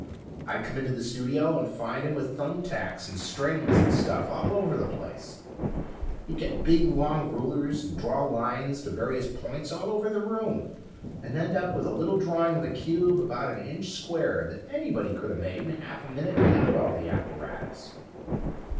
I'd come into the studio and find him with thumb tacks and strings and stuff all over the place. He'd get big long rulers and draw lines to various points all over the room, and end up with a little drawing of a cube about an inch square that anybody coulda made in a half a minute without all the apparatus.